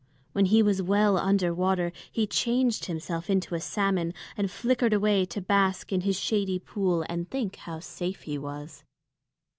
When he was well under water, he changed himself into a salmon, and flickered away to bask in his shady pool and think how safe he was.